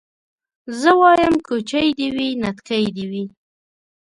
زه وايم کوچۍ دي وي نتکۍ دي وي